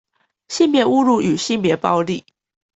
性別侮辱與性別暴力